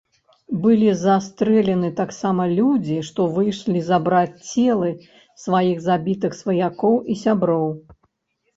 Былі застрэлены таксама людзі, што выйшлі забраць целы сваіх забітых сваякоў і сяброў.